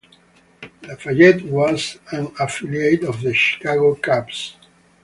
Lafayette was an affiliate of the Chicago Cubs.